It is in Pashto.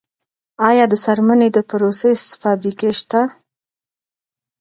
آیا د څرمنې د پروسس فابریکې شته؟